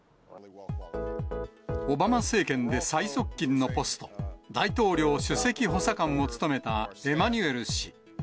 オバマ政権で最側近のポスト、大統領首席補佐官を務めたエマニュエル氏。